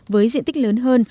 với diện tích lớn hơn